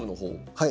はい。